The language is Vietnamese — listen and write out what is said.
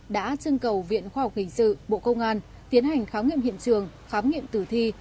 đã trưng cầu viện khoa học hình sự bộ công an tiến hành khám nghiệm hiện trường khám nghiệm tử thi